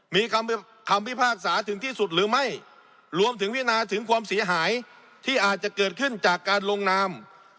มีคำคำพิพากษาถึงที่สุดหรือไม่รวมถึงพินาถึงความเสียหายที่อาจจะเกิดขึ้นจากการลงนาม